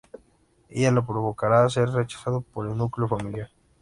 Ello le provocará ser rechazado por el núcleo familiar.